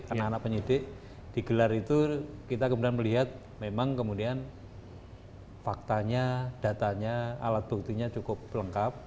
anak anak penyidik digelar itu kita kemudian melihat memang kemudian faktanya datanya alat buktinya cukup lengkap